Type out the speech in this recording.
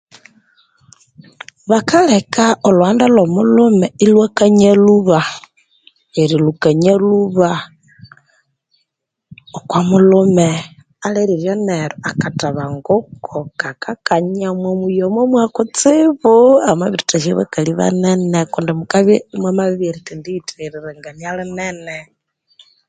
Bakaleka olhughanda olho omulhume ilhwakanya lhuba, erilhukanya lhuba okwa mulhume, aliriryo neryo akathabanguko kakakanya omwa muyi oyo mwa kutsibu amabiri thahya bakali banene kundi mukabya imwamabiribya erithendi yitheghererania linene.